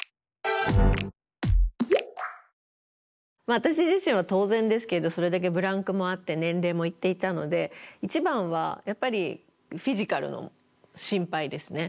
私自身は当然ですけどそれだけブランクもあって年齢もいっていたので一番はやっぱりフィジカルの心配ですね。